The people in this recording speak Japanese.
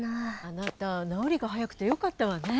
あなたなおりがはやくてよかったわね。